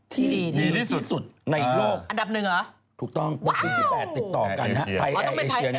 ดีที่สุดอันดับหนึ่งเหรอว้าวถูกต้อง๑๘ติดต่อกันไทยแอร์เอเชีย